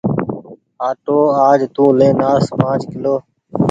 آٽو آج تو لين آس پآنچ ڪلو۔